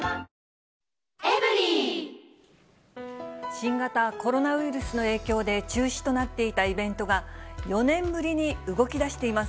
新型コロナウイルスの影響で中止となっていたイベントが、４年ぶりに動きだしています。